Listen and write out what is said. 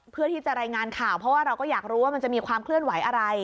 เพื่อที่จะรายงานข่าวเพราะว่าเราก็อยากรู้ว่ามันจะมีความเคลื่อนไหวอะไร